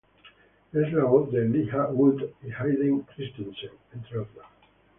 Es la voz de Elijah Wood y Hayden Christensen, entre otros.